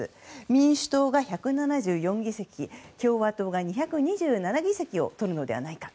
民主党が１７４議席共和党が２２７議席を取るのではないか。